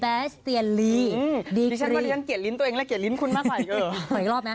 เพื่อนฉันก็เรียนเกียรติฤทธิ์ตัวเองและเกียรติฤทธิ์คุณมาใส่